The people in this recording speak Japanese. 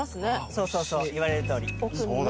そうそうそう言われるとおり奥にね